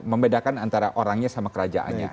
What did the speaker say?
membedakan antara orangnya sama kerajaannya